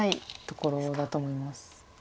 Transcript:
ところだと思います。